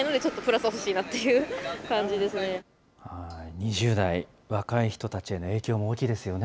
２０代、若い人たちへの影響も大きいですよね。